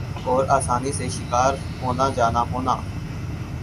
اور آسانی سے شکار ہونا جانا ہونا ۔